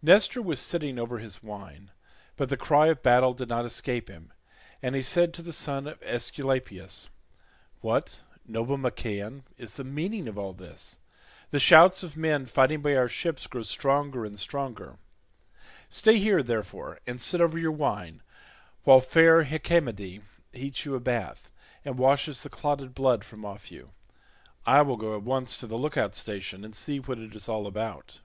Nestor was sitting over his wine, but the cry of battle did not escape him, and he said to the son of Aesculapius, "What, noble Machaon, is the meaning of all this? The shouts of men fighting by our ships grow stronger and stronger; stay here, therefore, and sit over your wine, while fair Hecamede heats you a bath and washes the clotted blood from off you. I will go at once to the look out station and see what it is all about."